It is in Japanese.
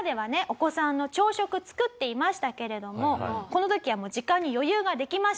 お子さんの朝食作っていましたけれどもこの時はもう時間に余裕ができました。